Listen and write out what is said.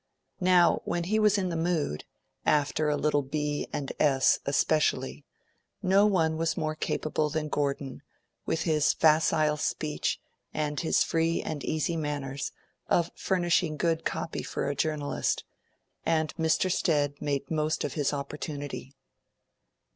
Now when he was in the mood after a little b. and s., especially no one was more capable than Gordon, with his facile speech and his free and easy manners, of furnishing good copy for a journalist; and Mr. Stead made the most of his opportunity.